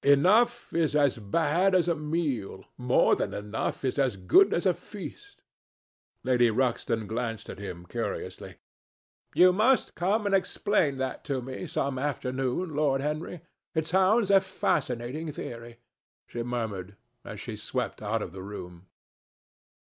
Enough is as bad as a meal. More than enough is as good as a feast." Lady Ruxton glanced at him curiously. "You must come and explain that to me some afternoon, Lord Henry. It sounds a fascinating theory," she murmured, as she swept out of the room.